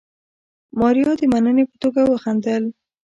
ماريا د مننې په توګه وخندل.